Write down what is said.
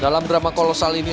dalam drama kolosal ini